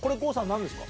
何ですか？